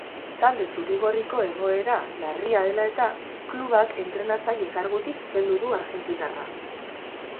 Talde zuri-gorriko egoera larria dela eta, klubak entrenatzaile kargutik kendu du argentinarra.